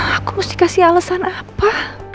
aku mesti kasih alesan apa